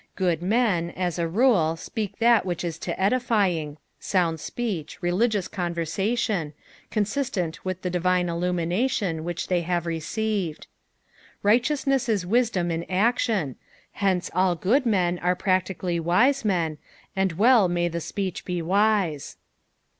Good men, as a rule, speak that which is to edifying, sound speech, religious conversation, consistent with the divine illumination which they have received. Righteous ness is wisdom in action, hence all good men are practically wise men, and well may the speech be wise.